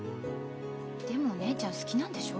でもお姉ちゃん好きなんでしょ。